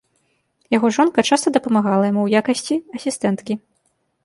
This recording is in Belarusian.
Яго жонка часта дапамагала яму ў якасці асістэнткі.